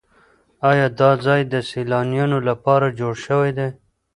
ایا دا ځای د سیلانیانو لپاره جوړ شوی دی؟